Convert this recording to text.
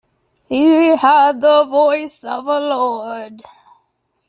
He had the voice of a lord.